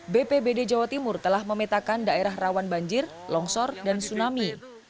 bpbd jawa timur telah memetakan daerah rawan banjir longsor dan tsunami